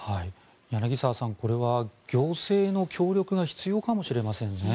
柳澤さんこれは行政の協力が必要かもしれませんね。